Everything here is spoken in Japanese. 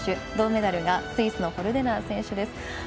銅メダルがスイスのホルデナー選手です。